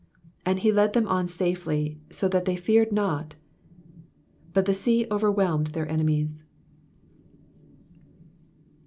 53 And he led them on safely, so that they feared not : but the sea overwhelmed their enemies.